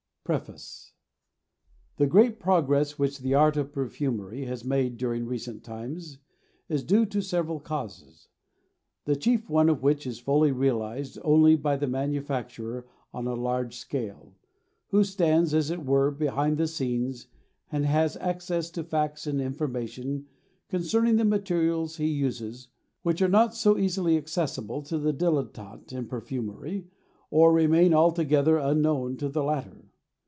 PREFACE. The great progress which the art of perfumery has made during recent times is due to several causes, the chief one of which is fully realized only by the manufacturer on a large scale, who stands, as it were, behind the scenes and has access to facts and information concerning the materials he uses, which are not so easily accessible to the dilettante in perfumery, or remain altogether unknown to the latter.